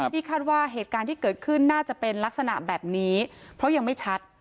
คาดว่าเหตุการณ์ที่เกิดขึ้นน่าจะเป็นลักษณะแบบนี้เพราะยังไม่ชัด